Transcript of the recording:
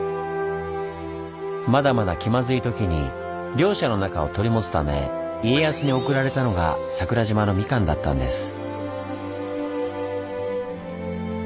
まだまだ気まずいときに両者の仲を取り持つため家康に贈られたのが桜島のみかんだったんです。